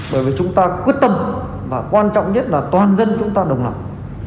bởi vì chúng ta quyết tâm và quan trọng nhất là toàn dân chúng ta đồng lòng